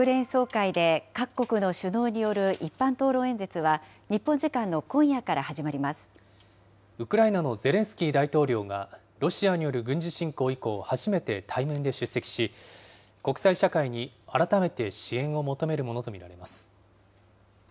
国連総会で各国の首脳による一般討論演説は、日本時間の今夜ウクライナのゼレンスキー大統領がロシアによる軍事侵攻以降、初めて対面で出席し、国際社会に改めて支援を求めるものと見られます。